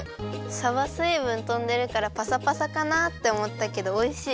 さばすいぶんとんでるからパサパサかなっておもったけどおいしい。